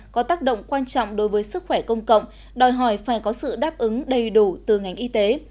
có tác động quan trọng đối với sức khỏe công cộng đòi hỏi phải có sự đáp ứng đầy đủ từ ngành y tế